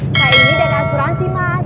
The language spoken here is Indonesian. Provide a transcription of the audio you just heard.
nah ini dari asuransi mas